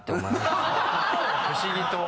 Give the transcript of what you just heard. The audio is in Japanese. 不思議と。